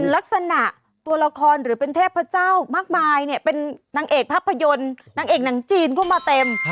ลักษณะตัวละครหรือเป็นเทพเจ้ามากมายเนี่ยเป็นนางเอกภาพยนตร์นางเอกหนังจีนก็มาเต็ม